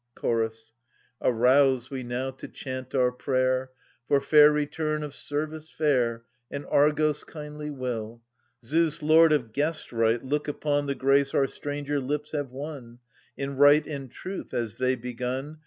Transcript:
A' Chorus. Arouse we now to chant our prayer For fair return of service fair And Argos' kindly will. Zeus, lord of guestright, look upon The grace our stranger lips have won. In right and truth, as they begun.